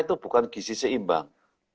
itu bukan gisi seimbang